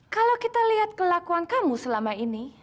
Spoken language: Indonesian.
kalau kita lihat kelakuan kamu selama ini